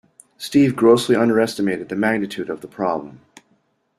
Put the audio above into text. Steve grossly underestimated the magnitude of the problem.